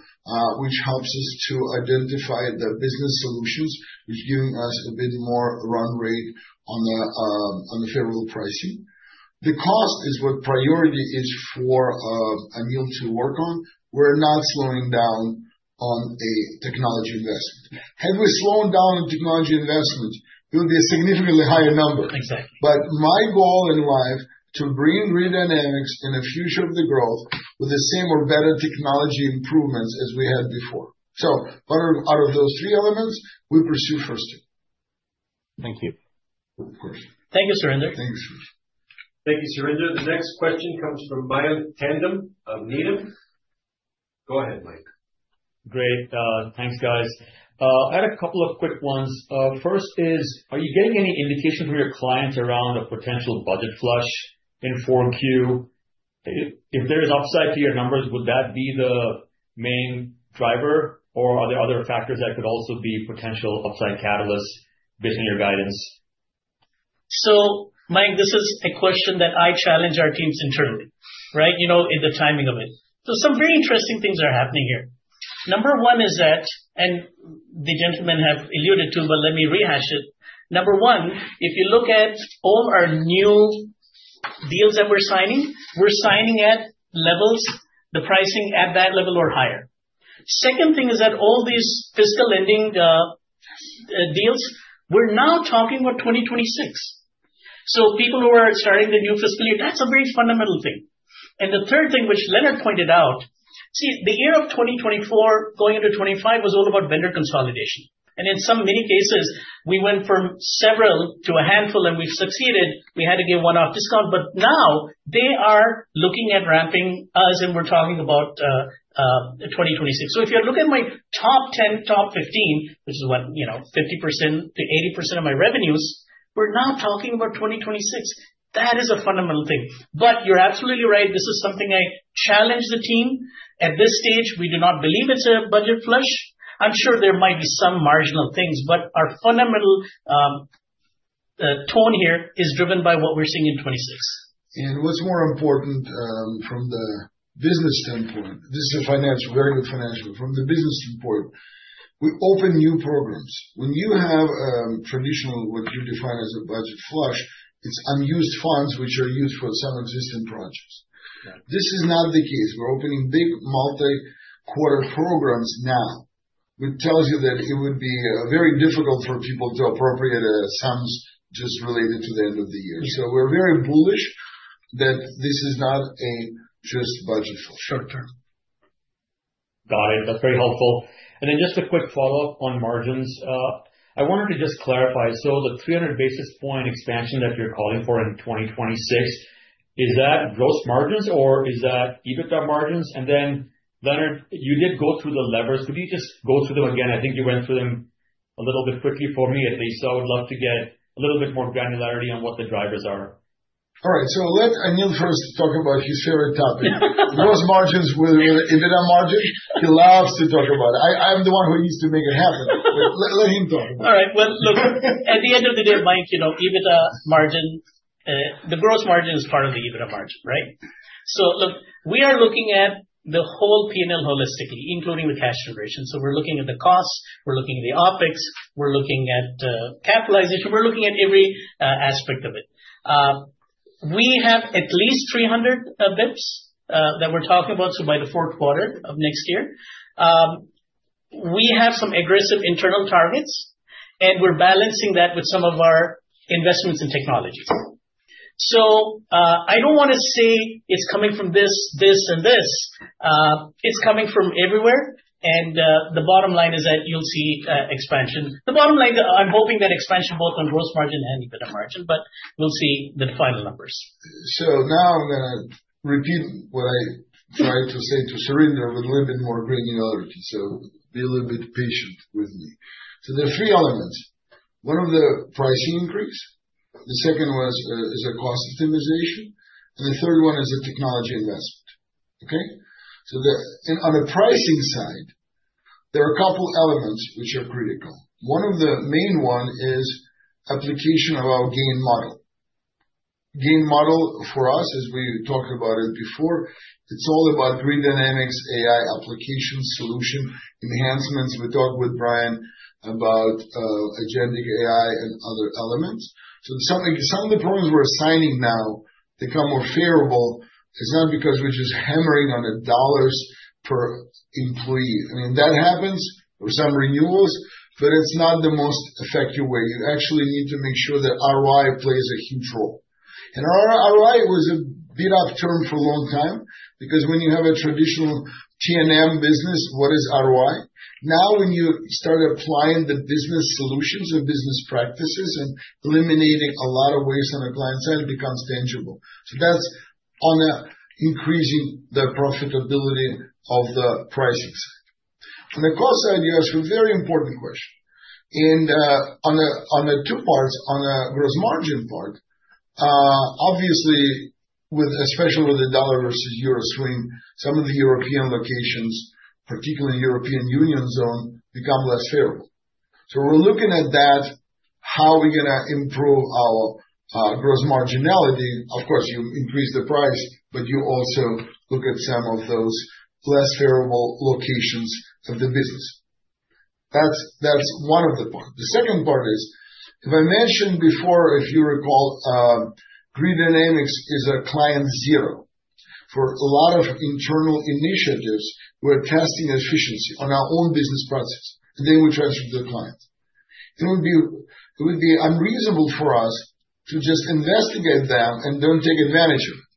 which helps us to identify the business solutions, which is giving us a bit more run rate on the favorable pricing. The cost is what priority is for Anil to work on. We're not slowing down on a technology investment. Had we slowed down on technology investment, it would be a significantly higher number. But my goal in life is to bring Grid Dynamics in a future of the growth with the same or better technology improvements as we had before. So out of those three elements, we pursue first two. Thank you. Thank you, Surinder. Thank you, Surinder. The next question comes from Mayank Tandon of Needham. Go ahead, Mayank. Great. Thanks, guys. I had a couple of quick ones. First is, are you getting any indication from your clients around a potential budget flush in Q4? If there is upside to your numbers, would that be the main driver? Or are there other factors that could also be potential upside catalysts based on your guidance? So, Mayank, this is a question that I challenge our teams internally, right, in the timing of it. So some very interesting things are happening here. Number one is that, and the gentlemen have alluded to, but let me rehash it. Number one, if you look at all our new deals that we're signing, we're signing at levels, the pricing at that level or higher. Second thing is that all these fiscal ending deals, we're now talking about 2026. So people who are starting the new fiscal year, that's a very fundamental thing. And the third thing, which Leonard pointed out, see, the year of 2024 going into 2025 was all about vendor consolidation. And in some many cases, we went from several to a handful, and we've succeeded. We had to give one-off discount. But now they are looking at ramping us, and we're talking about 2026. So if you look at my top 10, top 15, which is what, 50%-80% of my revenues, we're now talking about 2026. That is a fundamental thing. But you're absolutely right. This is something I challenge the team. At this stage, we do not believe it's a budget flush. I'm sure there might be some marginal things, but our fundamental tone here is driven by what we're seeing in 2026. And what's more important from the business standpoint? This is a very good financial. From the business standpoint, we open new programs. When you have traditional, what you define as a budget flush, it's unused funds which are used for some existing projects. This is not the case. We're opening big multi-quarter programs now, which tells you that it would be very difficult for people to appropriate sums just related to the end of the year. We're very bullish that this is not just a budget flush short term. Got it. That's very helpful. Then just a quick follow-up on margins. I wanted to just clarify. So the 300 basis points expansion that you're calling for in 2026, is that gross margins or is that EBITDA margins? And then, Leonard, you did go through the levers. Could you just go through them again? I think you went through them a little bit quickly for me at least. So I would love to get a little bit more granularity on what the drivers are. All right. So let Anil first talk about his favorite topic. Gross margins with EBITDA margins. He loves to talk about it. I'm the one who needs to make it happen. But let him talk about it. All right. Look, at the end of the day, Mike, EBITDA margin, the gross margin is part of the EBITDA margin, right? Look, we are looking at the whole P&L holistically, including the cash generation. We're looking at the costs. We're looking at the OpEx. We're looking at capitalization. We're looking at every aspect of it. We have at least 300 basis points that we're talking about, so by the fourth quarter of next year. We have some aggressive internal targets, and we're balancing that with some of our investments in technologies. I don't want to say it's coming from this, this, and this. It's coming from everywhere. The bottom line is that you'll see expansion. The bottom line, I'm hoping that expansion both on gross margin and EBITDA margin, but we'll see the final numbers. So now I'm going to repeat what I tried to say to Surinder with a little bit more granularity. So be a little bit patient with me. So there are three elements. One of the pricing increase. The second is a cost optimization. And the third one is a technology investment. Okay? So on the pricing side, there are a couple of elements which are critical. One of the main ones is application of our GAIN model. GAIN model for us, as we talked about it before, it's all about Grid Dynamics, AI application solution enhancements. We talked with Bryan about agentic AI and other elements. So some of the programs we're signing now to become more favorable is not because we're just hammering on dollars per employee. I mean, that happens. There were some renewals, but it's not the most effective way. You actually need to make sure that ROI plays a huge role. And ROI was a bit off term for a long time because when you have a traditional T&M business, what is ROI? Now, when you start applying the business solutions and business practices and eliminating a lot of waste on the client side, it becomes tangible. So that's on increasing the profitability of the pricing side. On the cost side, you asked a very important question. And on the two parts, on the gross margin part, obviously, especially with the dollar versus euro swing, some of the European locations, particularly in the European Union zone, become less favorable. So we're looking at that, how are we going to improve our gross margin? Of course, you increase the price, but you also look at some of those less favorable locations of the business. That's one of the parts. The second part is, if I mentioned before, if you recall, Grid Dynamics is a client zero for a lot of internal initiatives. We're testing efficiency on our own business process, and then we transfer to the client. It would be unreasonable for us to just investigate them and then take advantage of it.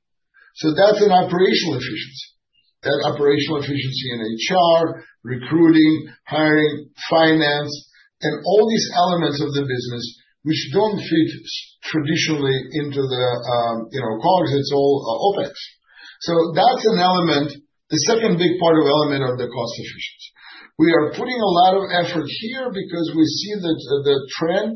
So that's an operational efficiency. That operational efficiency in HR, recruiting, hiring, finance, and all these elements of the business which don't fit traditionally into the COGS. It's all OpEx. So that's an element, the second big part of the element of the cost efficiency. We are putting a lot of effort here because we see that the trend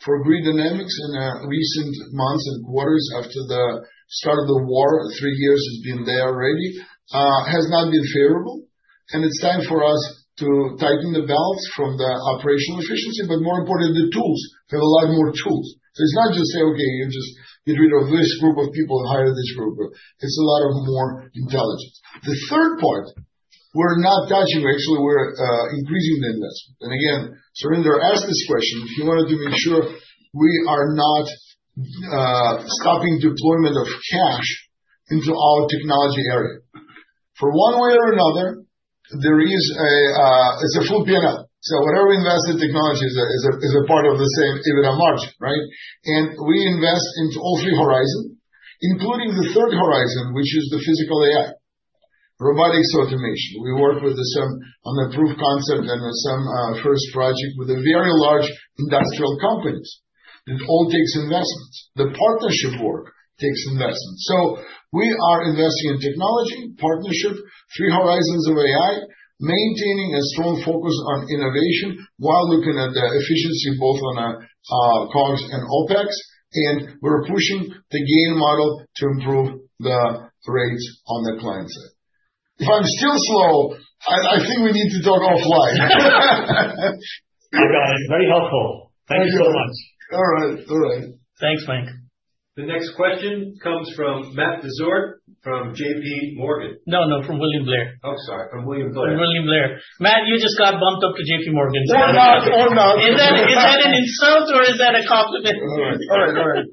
for Grid Dynamics in recent months and quarters after the start of the war, three years has been there already, has not been favorable. It's time for us to tighten the belts from the operational efficiency, but more important, the tools. We have a lot more tools. So it's not just say, "Okay, you just get rid of this group of people, hire this group." It's a lot more intelligence. The third part, we're not touching. Actually, we're increasing the investment. Again, Surinder asked this question. He wanted to make sure we are not stopping deployment of cash into our technology area. One way or another, there is a full P&L. So whatever we invest in technology is a part of the same EBITDA margin, right? We invest into all three horizons, including the third horizon, which is the Physical AI, robotics automation. We work with some on the proof of concept and some first project with a very large industrial company. It all takes investments. The partnership work takes investments. So we are investing in technology, partnership, three horizons of AI, maintaining a strong focus on innovation while looking at the efficiency both on COGS and OpEx, and we're pushing the GAIN model to improve the rates on the client side. If I'm still slow, I think we need to talk offline. Oh, gosh. Very helpful. Thank you so much. All right. All right. Thanks, Mayank. The next question comes from Matt Dezort from J.P. Morgan. No, no, from William Blair. Oh, sorry. From William Blair. From William Blair. Matt, you just got bumped up to J.P. Morgan. Or not. Or not. Is that an insult or is that a compliment? All right. All right.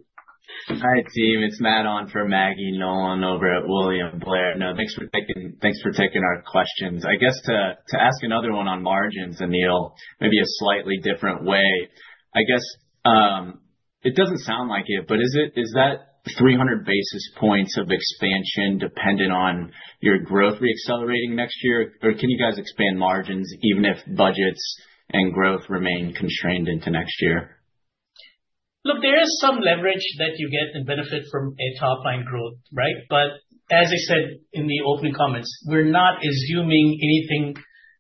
Hi, team. It's Matt on for Maggie Nolan over at William Blair. No, thanks for taking our questions. I guess to ask another one on margins, Anil, maybe a slightly different way. I guess it doesn't sound like it, but is that 300 basis points of expansion dependent on your growth reaccelerating next year? Or can you guys expand margins even if budgets and growth remain constrained into next year? Look, there is some leverage that you get and benefit from a top-line growth, right? But as I said in the opening comments, we're not assuming anything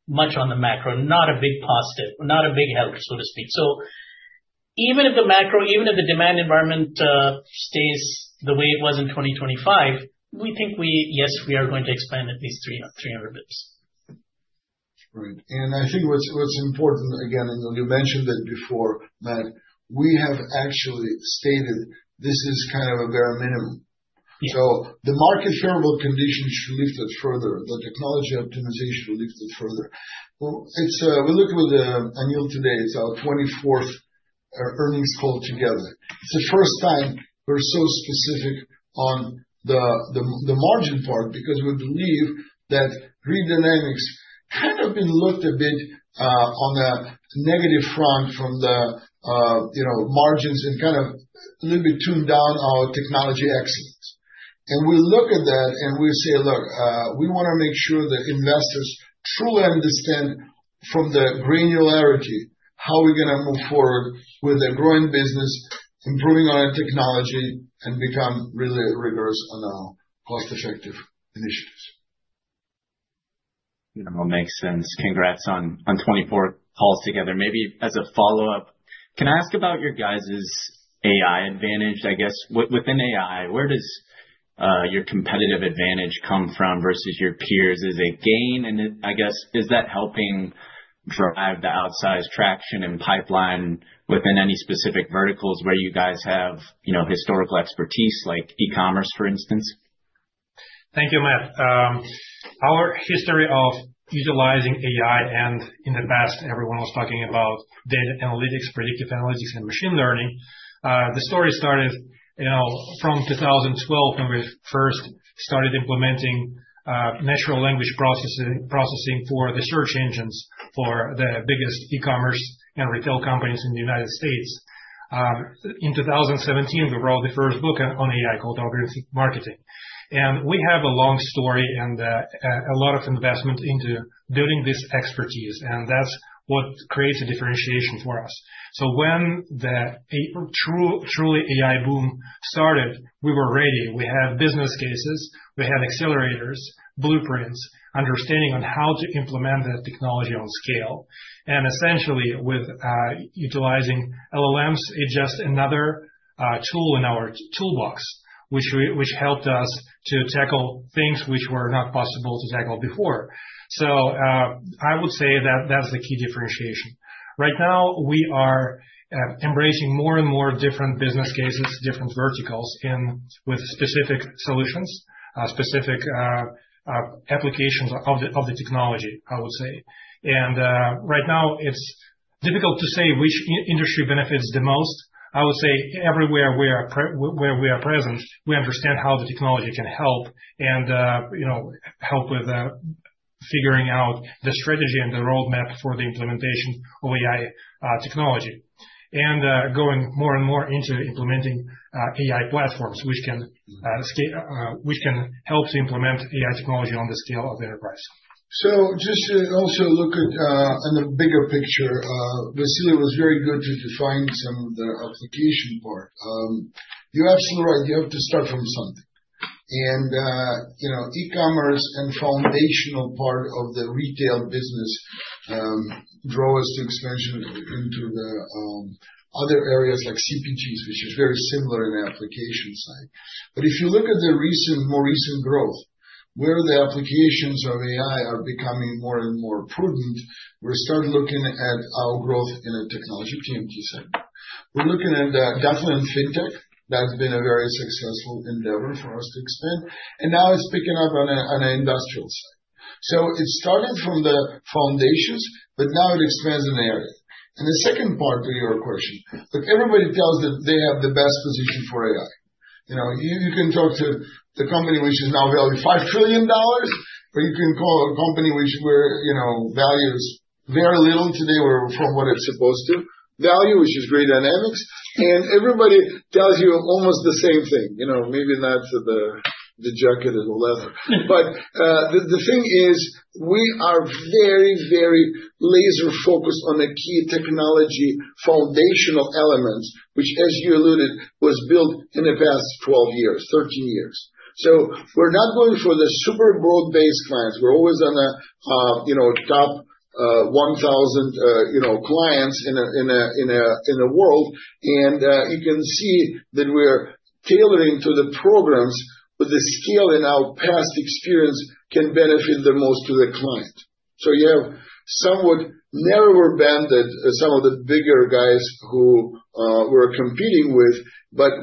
much on the macro, not a big positive, not a big help, so to speak. So even if the macro, even if the demand environment stays the way it was in 2025, we think, yes, we are going to expand at least 300 basis points. Right. And I think what's important, again, and you mentioned it before, Matt, we have actually stated this is kind of a bare minimum. So the market favorable conditions should lift us further. The technology optimization will lift us further. We talked with Anil today. It's our 24th earnings call together. It's the first time we're so specific on the margin part because we believe that Grid Dynamics kind of been looked a bit on a negative front from the margins and kind of a little bit tuned down our technology excellence. And we look at that and we say, "Look, we want to make sure the investors truly understand from the granularity how we're going to move forward with the growing business, improving our technology, and become really rigorous on our cost-effective initiatives." That all makes sense. Congrats on 24 calls together. Maybe as a follow-up, can I ask about your guys' AI advantage? I guess within AI, where does your competitive advantage come from versus your peers? Is it gain? And I guess, is that helping drive the outsize traction and pipeline within any specific verticals where you guys have historical expertise, like e-commerce, for instance? Thank you, Matt. Our history of utilizing AI, and in the past, everyone was talking about data analytics, predictive analytics, and machine learning. The story started from 2012 when we first started implementing natural language processing for the search engines for the biggest e-commerce and retail companies in the United States. In 2017, we wrote the first book on AI called Algorithmic Marketing. And we have a long story and a lot of investment into building this expertise. And that's what creates a differentiation for us. So when the truly AI boom started, we were ready. We had business cases. We had accelerators, blueprints, understanding on how to implement that technology on scale. Essentially, with utilizing LLMs, it's just another tool in our toolbox, which helped us to tackle things which were not possible to tackle before. I would say that that's the key differentiation. Right now, we are embracing more and more different business cases, different verticals with specific solutions, specific applications of the technology, I would say. Right now, it's difficult to say which industry benefits the most. I would say everywhere we are present, we understand how the technology can help and help with figuring out the strategy and the roadmap for the implementation of AI technology and going more and more into implementing AI platforms, which can help to implement AI technology on the scale of enterprise. Just to also look at the bigger picture, Vasily was very good to define some of the application part. You're absolutely right. You have to start from something. E-commerce and foundational part of the retail business draw us to expansion into the other areas like CPGs, which is very similar in the application side. But if you look at the more recent growth, where the applications of AI are becoming more and more prudent, we're starting looking at our growth in a technology TMT segment. We're looking at definitely in fintech. That's been a very successful endeavor for us to expand. And now it's picking up on an industrial side. So it's starting from the foundations, but now it expands in the area. And the second part to your question, look, everybody tells that they have the best position for AI. You can talk to the company which is now valued $5 trillion, or you can call a company which values very little today from what it's supposed to, value which is Grid Dynamics. Everybody tells you almost the same thing. Maybe not the jacket and the leather. The thing is, we are very, very laser-focused on the key technology foundational elements, which, as you alluded, was built in the past 12 years, 13 years. We're not going for the super broad-based clients. We're always on the top 1,000 clients in the world. You can see that we're tailoring to the programs, but the scale in our past experience can benefit the most to the client. You have somewhat narrower banded, some of the bigger guys who we're competing with.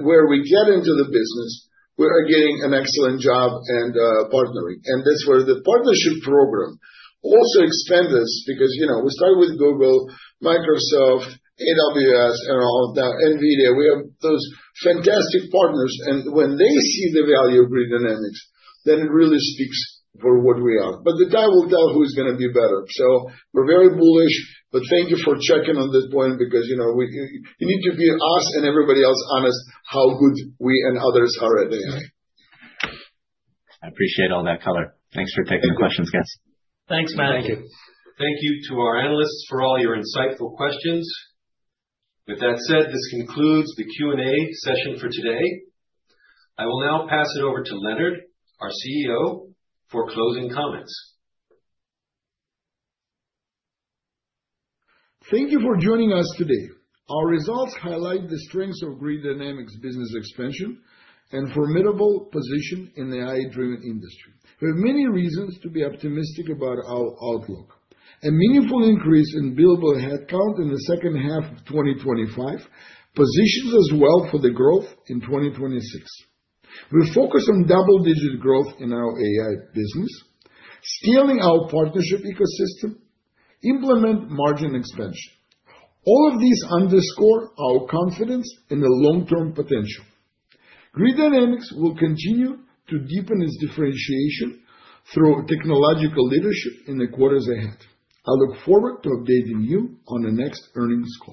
Where we get into the business, we are getting an excellent job and partnering. That's where the partnership program also expands us because we started with Google, Microsoft, AWS, and all of that, NVIDIA. We have those fantastic partners. When they see the value of Grid Dynamics, then it really speaks for what we are. The guy will tell who is going to be better. We're very bullish. Thank you for checking on this point because you need to be us and everybody else honest how good we and others are at AI. I appreciate all that color. Thanks for taking the questions, guys. Thanks, Matt. Thank you. Thank you to our analysts for all your insightful questions. With that said, this concludes the Q&A session for today. I will now pass it over to Leonard, our CEO, for closing comments. Thank you for joining us today. Our results highlight the strengths of Grid Dynamics' business expansion and formidable position in the AI-driven industry. We have many reasons to be optimistic about our outlook. A meaningful increase in billable headcount in the second half of 2025 positions us well for the growth in 2026. We focus on double-digit growth in our AI business, scaling our partnership ecosystem, implement margin expansion. All of these underscore our confidence in the long-term potential. Grid Dynamics will continue to deepen its differentiation through technological leadership in the quarters ahead. I look forward to updating you on the next earnings call.